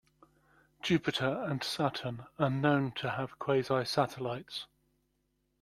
Jupiter and Saturn are known to have quasi-satellites.